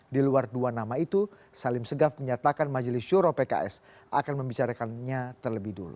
di luar dua nama itu salim segaf menyatakan majelis syuro pks akan membicarakannya terlebih dulu